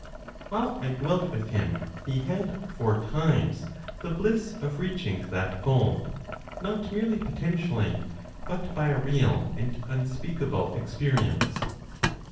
While I dwelt with him, he had four times the bliss of reaching that goal, not merely potentially, but by a real and unspeakable experience.